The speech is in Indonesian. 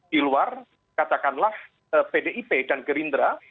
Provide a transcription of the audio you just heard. di luar katakanlah pdip dan gerindra